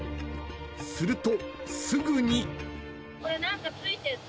［するとすぐに］